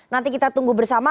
nanti kita tunggu bersama